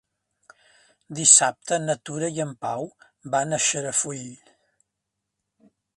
Dissabte na Tura i en Pau van a Xarafull.